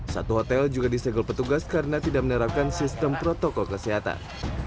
satu hotel juga disegel petugas karena tidak menerapkan sistem protokol kesehatan